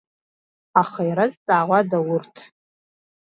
Аха иразҵаауада урҭ?